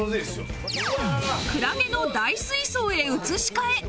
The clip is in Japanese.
クラゲの大水槽へ移し替え